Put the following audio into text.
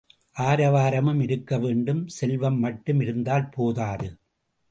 ஆரவாரமும் இருக்க வேண்டும் செல்வம் மட்டும் இருந்தால் போதாது.